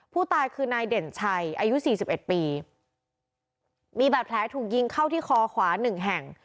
ผู้ตายคือนายเด่นชัยอายุสี่สิบเอ็ดปีมีบาดแผลถูกยิงเข้าที่คอขวาหนึ่งแห่ง